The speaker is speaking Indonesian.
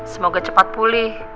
semoga cepat pulih